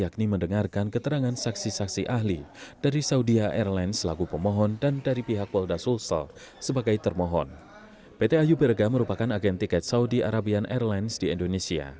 terus menginjakan kegeri peradilan